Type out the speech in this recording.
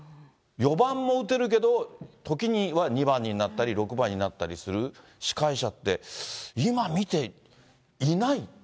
４番も打てるけど、時には２番になったり、６番になったりする司会者って、今見て、いない。